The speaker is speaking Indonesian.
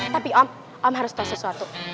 tapi om om harus tahu sesuatu